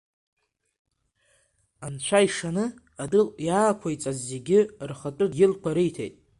Анцәа ишаны адәы иаақәиҵаз зегьы рхатәы дгьылқәа риҭеит.